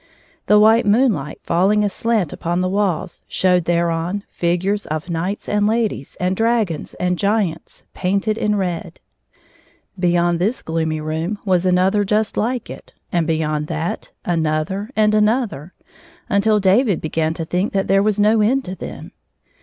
The white moonlight falling aslant upon the walls showed thereon figures of knights and ladies and dragons and giants painted in red. Beyond this great gloomy room was another just like it, and beyond that another and another, until David began to think that there was no end to them.